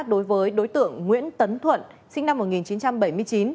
đối với đối tượng nguyễn tấn thuận sinh năm một nghìn chín trăm bảy mươi chín